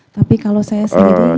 tapi kalau saya sendiri tidak pernah